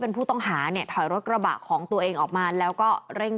เป็นผู้ต้องหาเนี่ยถอยรถกระบะของตัวเองออกมาแล้วก็เร่ง